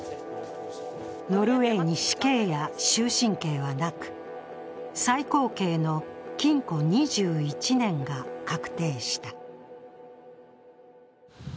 ノルウェーに死刑や終身刑はなく、最高刑の禁錮２１年が確定した。